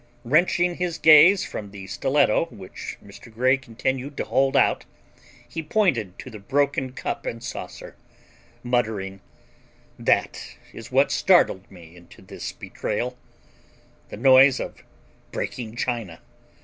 Wrenching his gaze from the stiletto which Mr. Grey continued to hold out, he pointed to the broken cup and saucer, muttering: "That is what startled me into this betrayal—the noise of breaking china.